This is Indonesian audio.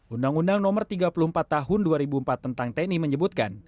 undang undang no tiga puluh empat tahun dua ribu empat tentang tni menyebutkan